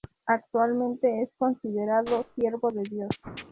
Actualmente es considerado Siervo de Dios.